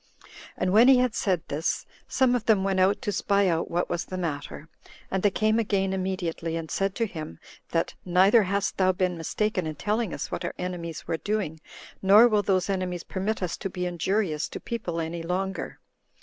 And when he had said this, some of them went out to spy out what was the matter; and they came again immediately, and said to him, that "neither hast thou been mistaken in telling us what our enemies were doing, nor will those enemies permit us to be injurious to people any longer.